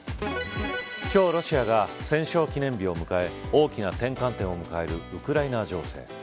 今日、ロシアが戦勝記念日を迎え大きな転換点を迎えるウクライナ情勢。